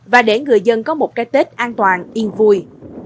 và để người dân có một cái tết an toàn yên vui